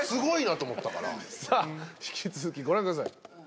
さあ引き続きご覧ください。